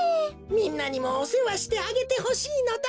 みんなにもおせわしてあげてほしいのだ。